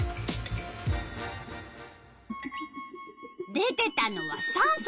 出てたのは酸素ダーロ。